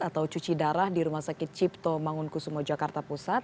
atau cuci darah di rumah sakit cipto mangunkusumo jakarta pusat